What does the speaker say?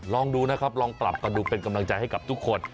ลองดูนะครับลองปรับกันดูเป็นกำลังใจให้กับทุกคน